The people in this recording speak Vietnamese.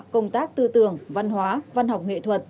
công tác tư tưởng văn hóa văn học nghệ thuật